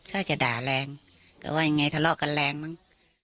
ถ้าจะด่าแรงก็ว่ายังไงทะเลาะกันแรงมั้ง